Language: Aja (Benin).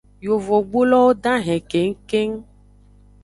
Yovogbulowo dahen kengkeng.